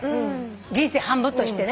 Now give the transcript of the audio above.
人生半分としてね。